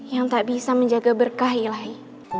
yang tak bisa menjaga berkah ilahi